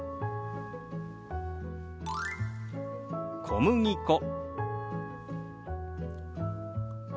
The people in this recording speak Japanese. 「小麦粉」。